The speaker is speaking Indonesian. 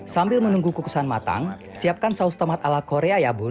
sambil menunggu kukusan matang siapkan saus tomat ala korea ya bun